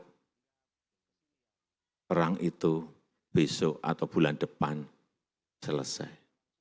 jangan berharap perang itu besok atau bulan depan selesai